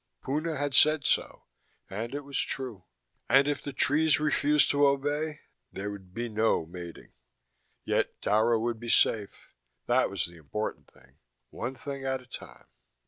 Puna had said so, and it was true. And if the trees refused to obey there would be no mating.... Yet Dara would be safe. That was the important thing. One thing at a time.